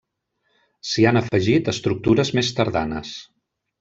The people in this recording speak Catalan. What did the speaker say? S'hi han afegit estructures més tardanes.